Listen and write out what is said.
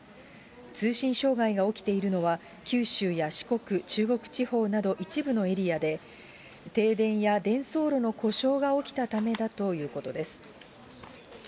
通信障害が起きているのは、九州や四国、中国地方など一部のエリアで、停電や伝送路の故障が起きたためだということです。